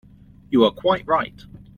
You are quite right.